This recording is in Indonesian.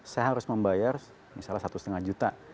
saya harus membayar misalnya satu lima juta